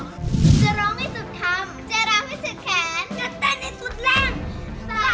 จะร้องให้สุดทำ